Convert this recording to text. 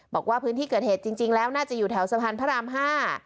บอกว่าพื้นที่เกิดเหตุจริงแล้วน่าจะอยู่แถวสะพานพระรามห้า